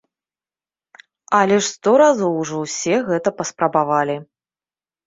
Але ж сто разоў ужо ўсе гэта паспрабавалі.